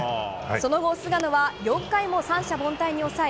その後、菅野は４回も三者凡退に抑え